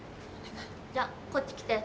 じゃあこっち来て。